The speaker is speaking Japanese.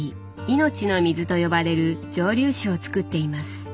命の水と呼ばれる蒸留酒をつくっています。